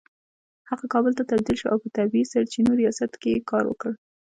هغه کابل ته تبدیل شو او په طبیعي سرچینو ریاست کې يې کار وکړ